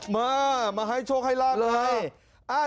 มามาให้โชคให้ลาบเลย